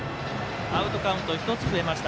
アウトカウント１つ増えました